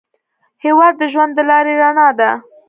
هېواد د ژوند د لارې رڼا ده.